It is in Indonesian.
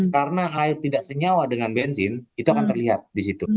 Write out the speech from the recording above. karena air tidak senyawa dengan bensin itu akan terlihat di situ